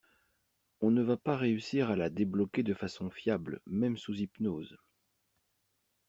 On ne va pas réussir à la débloquer de façon fiable, même sous hypnose.